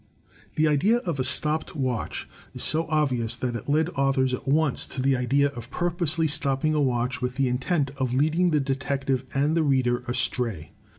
This idea of a stopped watch is so obvious that it led authors at once to the idea of purposely stopping a watch with the intent of leading the detective and the reader astray.